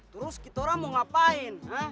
terus kita orang mau ngapain